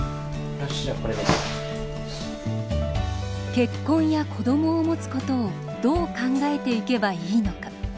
結婚や子どもを持つことをどう考えていけばいいのか。